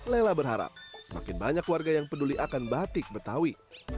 lela berharap semakin banyak warga yang peduli akan batik betawi